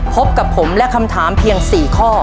พบกับผมและคำถามเพียง๔ข้อ